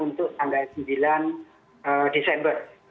untuk tanggal sembilan desember